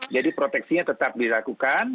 jadi proteksinya tetap dilakukan